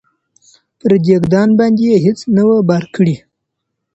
پر دېګدان باندي یې هیڅ نه وه بار کړي